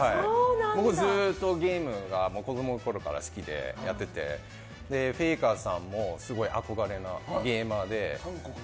僕、ずっとゲームが子供のころから好きでやっててフェイカーさんもすごい憧れのゲーマーで。